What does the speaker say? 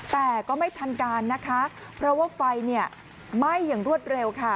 แต่ก็ไม่ทันการนะคะเพราะว่าไฟเนี่ยไหม้อย่างรวดเร็วค่ะ